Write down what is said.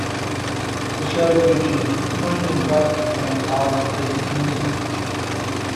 The show featured mainly rap and R and B Music.